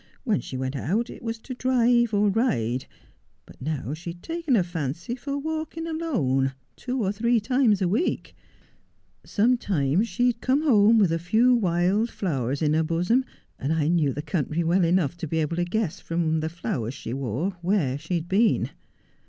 When she went out it was to drive or ride, but now she had taken a fancy for walking alone, two or three times a week. Sometimes she would come home with a few wild flowers in her bosom, and I knew the country well enough to be able to guess from the flowers she wore where she had been.